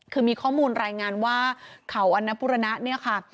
คือมีข้อมูลรายงานว่าเขาอันนบุรณะเนี่ยค่ะ